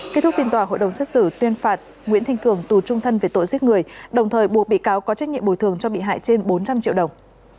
kết thúc phiên tòa hội đồng xét xử tuyên phạt nguyễn thanh cường tù trung thân về tội giết người đồng thời buộc bị cáo có trách nhiệm bồi thường cho bị hại trên bốn trăm linh triệu đồng